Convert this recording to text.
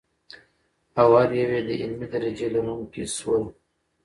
او هر یو یې د علمي درجې لرونکي شول.